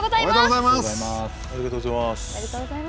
ありがとうございます。